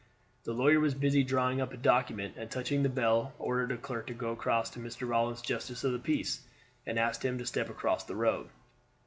The lawyer was busy drawing up a document, and touching the bell ordered a clerk to go across to Mr. Rawlins, justice of the peace, and ask him to step across the road.